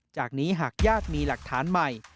จากนี้หากญาติมีหลักฐานใหม่